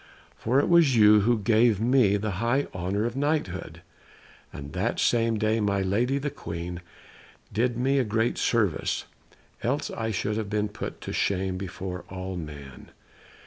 For it was you who gave me the high honour of Knighthood, and that same day my lady the Queen did me a great service, else I should have been put to shame before all men.